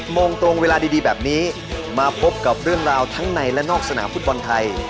โมงตรงเวลาดีแบบนี้มาพบกับเรื่องราวทั้งในและนอกสนามฟุตบอลไทย